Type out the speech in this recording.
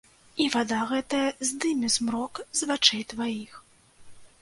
І вада гэтая здыме змрок з вачэй тваіх.